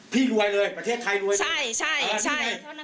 พี่รวยเลยประเทศไทยรวยใช่ใช่